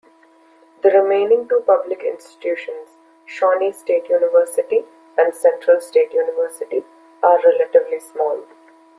The remaining two public institutions-Shawnee State University and Central State University-are relatively small.